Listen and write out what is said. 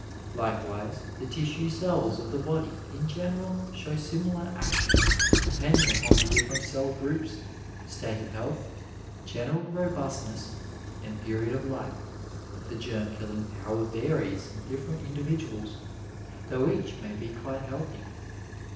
Likewise the tissue cells of the body in general show similar action depending upon the different cell groups, state of health, general robustness, and period of life. The germ killing power varies in different individuals, though each may be quite healthy.